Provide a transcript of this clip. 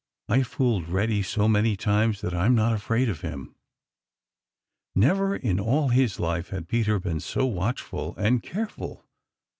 I have fooled Reddy so many times that I'm not afraid of him." Never in all his life had Peter been so watchful and careful.